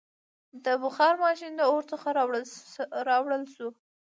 • د بخار ماشین د اور څخه راوړل شو.